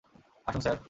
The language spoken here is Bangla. আসুন, স্যার।